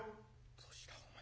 「どうしたお前さん